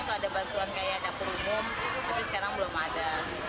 ya misalnya biasanya sih suka ada bantuan kayak dapur umum tapi sekarang belum ada